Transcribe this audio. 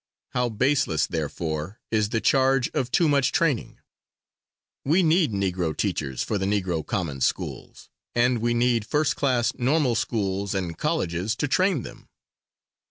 How baseless, therefore, is the charge of too much training! We need Negro teachers for the Negro common schools, and we need first class normal schools and colleges to train them.